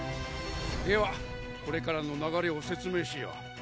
ではこれからの流れを説明しよう。